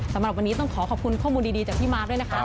สำหรับวันนี้ต้องขอขอบคุณข้อมูลดีจากพี่มาร์คด้วยนะคะ